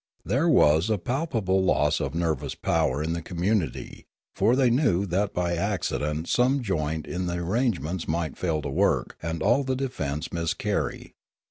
There was a palpable loss of nervous power in the community, for they knew that by accident some joint in the arrangements might fail to work and all the defence miscarry.